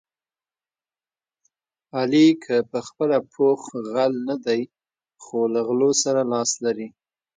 علي که په خپله پوخ غل نه دی، خو له غلو سره لاس لري.